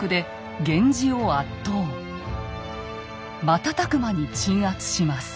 瞬く間に鎮圧します。